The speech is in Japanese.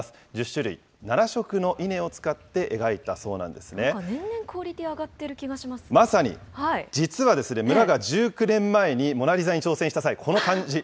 １０種類、７色の稲を使って描いなんか年々クオリティー上がまさに、実は村が１９年前にモナリザに挑戦した際、この感じ。